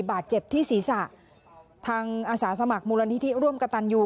บาดเจ็บที่ศีรษะทางอาสาสมัครมูลนิธิร่วมกระตันยู